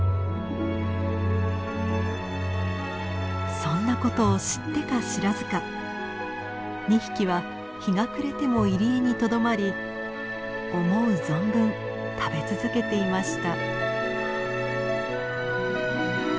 そんなことを知ってか知らずか２匹は日が暮れても入り江にとどまり思う存分食べ続けていました。